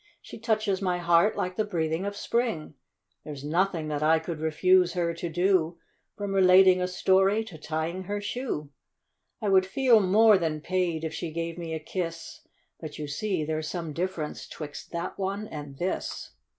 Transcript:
She touches my heart like the breathing of Spring ! There's nothing that I could refuse her to do, From relating a story to tying her shoe. I would feel more than paid if she gave me a kiss But you see there's some difference 'twixt that one and this. 5 66 THE VERY VAIN CHILD.